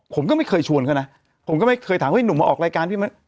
ผมก็ไม่เคยชวนเขานะผมก็ไม่เคยถามเฮ้ยหนุ่มมาออกรายการพี่มัน